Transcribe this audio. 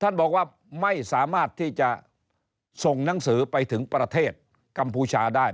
ท่านบอกว่าไม่สามารถที่จะส่งหนังสือไปถึงประเทศกัมพูชาได้